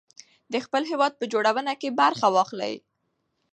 د خپل هېواد په جوړونه کې برخه واخلئ.